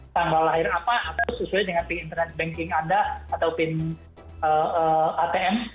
tanggal lahir apa atau sesuai dengan pinternet banking anda atau pin atm